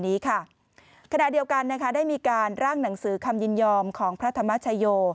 ขณะเดียวกันนะคะได้มีการร่างหนังสือคำยินยอมของพระธรรมชโย